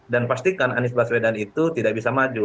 dan pastikan anies baswedan itu tidak bisa maju